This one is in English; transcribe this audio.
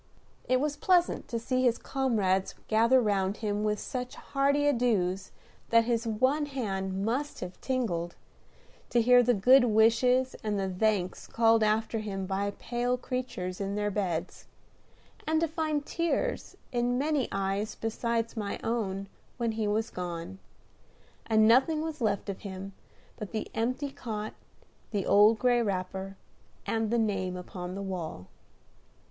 It was pleasant to see his comrades gather round him with such hearty adieus that his one hand must have tingled; to hear the good wishes and the thanks called after him by pale creatures in their beds; and to find tears in many eyes beside my own when he was gone, and nothing was left of him but the empty cot, the old gray wrapper, and the name upon the wall.